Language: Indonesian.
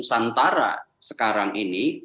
santara sekarang ini